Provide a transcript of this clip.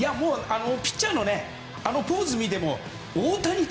ピッチャーのあのポーズを見ても大谷対